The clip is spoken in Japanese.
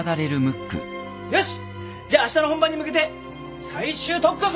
よしじゃあしたの本番に向けて最終特訓するぞ。